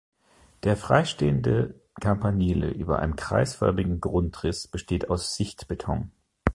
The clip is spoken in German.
Der freistehende Campanile über einem kreisförmigen Grundriss besteht aus Sichtbeton.